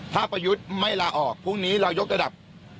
ถ้าประยุทธ์ไม่ลาออกพรุ่งนี้เรายกระดับ